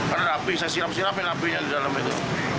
ada api saya siram sirapin apinya di dalam itu